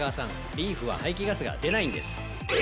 リーフは排気ガスが出ないんです！